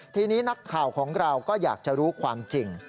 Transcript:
ทีนี้นักข่าวของเราก็อยากจะรู้ความจริง